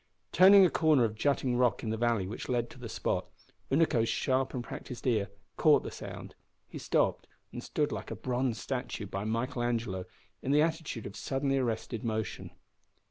Turning a corner of jutting rock in the valley which led to the spot, Unaco's sharp and practised ear caught the sound. He stopped and stood like a bronze statue by Michael Angelo in the attitude of suddenly arrested motion.